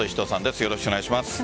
よろしくお願いします。